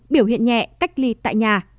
biểu hiện nhẹ cách ly tại nhà